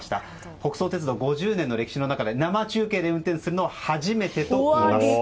北総鉄道５０年の歴史の中で生中継で運転するのは初めてということです。